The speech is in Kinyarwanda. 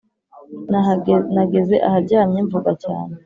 nageze aharyamye mvuga cyane